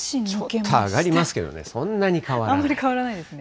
ちょっと上がりますけどね、そんなに変わらない。